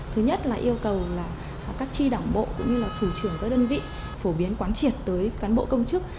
thứ nhất là yêu cầu các chi đảng bộ cũng như thủ trưởng các đơn vị phổ biến quán triệt tới cán bộ công chức